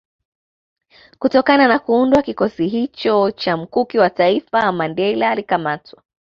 Kutokana na kuundwa kwa kikosi hicho cha Mkuki wa taifa Mandela alikamatwa